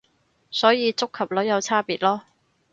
所以觸及率有差別囉